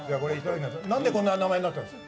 なんでこんな名前になったんですか？